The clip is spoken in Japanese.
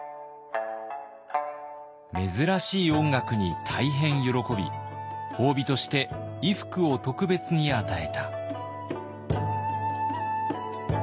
珍しい音楽に大変喜び褒美として衣服を特別に与えた。